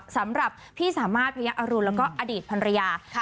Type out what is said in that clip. สำหรับพี่สามารถพระยะอรุณแล้วก็อดีตภรรยา